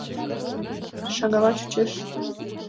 Шагалла чучеш.